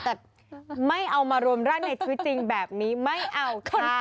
แต่ไม่เอามารวมรั่นในชีวิตจริงแบบนี้ไม่เอาค่ะ